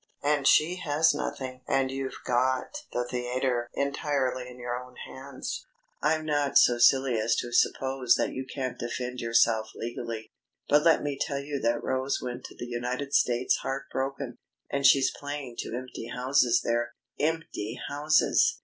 And she has nothing, and you've got the theatre entirely in your own hands. I'm not so silly as to suppose that you can't defend yourself legally. But let me tell you that Rose went to the United States heart broken, and she's playing to empty houses there empty houses!